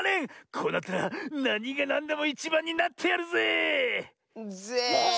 こうなったらなにがなんでもいちばんになってやるぜ。ぜ！